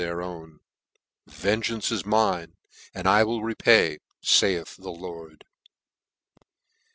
their own " Vengeance is mine, and I will repay, faith the Lord.'